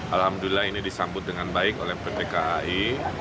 alhamdulillah ini disambut dengan baik oleh pt kai